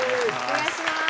お願いします。